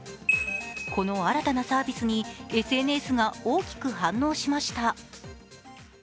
この新たなサービスにＳＮＳが大きく反応しました。